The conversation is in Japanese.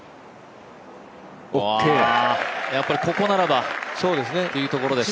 やっぱりここならばというところでしたね。